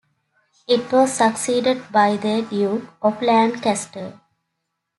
It was succeeded by the Duke of Lancaster.